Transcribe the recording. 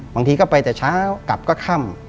บางทีก็ไปแต่เช้ากลับก็ค่ำ